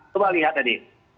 coba lihat tadi